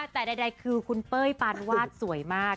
แต่ใดคือคุณเป้ยปานวาดสวยมาก